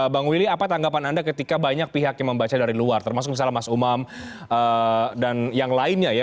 bang willy apa tanggapan anda ketika banyak pihak yang membaca dari luar termasuk misalnya mas umam dan yang lainnya ya